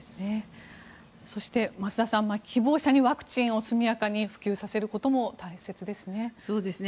そして、増田さん希望者にワクチンを速やかに普及させることも大切ですね。